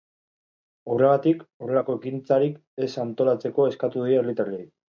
Horregatik, horrelako ekintzarik ez antolatzeko eskatu die herritarrei.